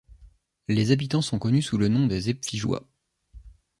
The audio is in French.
Les habitants sont connus sous le nom des Epfigeois.